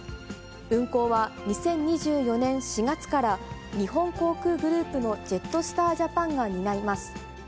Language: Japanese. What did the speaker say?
運航は、２０２４年４月から日本航空グループのジェットスター・ジャパンが担います。